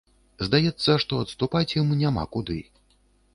Здаецца, што адступаць ім няма куды.